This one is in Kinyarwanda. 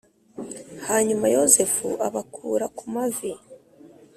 Hanyuma Yozefu abakura ku mavi